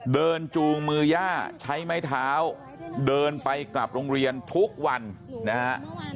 จูงมือย่าใช้ไม้เท้าเดินไปกลับโรงเรียนทุกวันนะฮะ